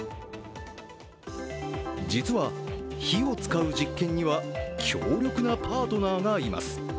実は火を使う実験には強力なパートナーがいます。